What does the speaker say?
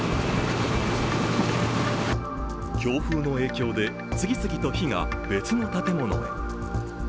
強風の影響で次々と火が別の建物へ。